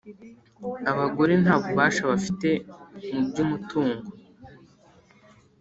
abagore nta bubasha bafite mu by’umutungo,